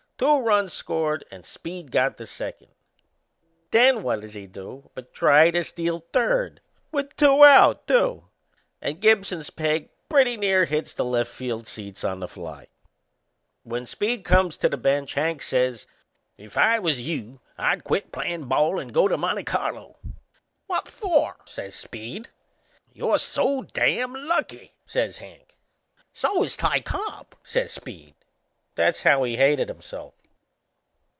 Two runs scored and Speed got to second. Then what does he do but try to steal third with two out too! And Gibson's peg pretty near hits the left field seats on the fly. When Speed comes to the bench Hank says: "If I was you I'd quit playin' ball and go to Monte Carlo." "What for?" says Speed. "You're so dam' lucky!" says Hank. "So is Ty Cobb," says Speed. That's how he hated himself!